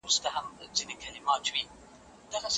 لا ډېرو څېړنو ته اړتیا شته.